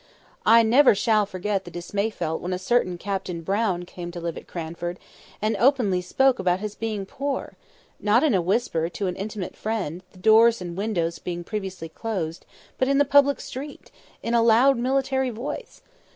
I never shall forget the dismay felt when a certain Captain Brown came to live at Cranford, and openly spoke about his being poor—not in a whisper to an intimate friend, the doors and windows being previously closed, but in the public street! in a loud military voice!